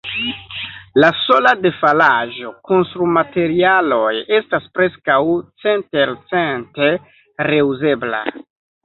La sola defalaĵo, konstrumaterialoj, estas preskaŭ centelcente reuzebla.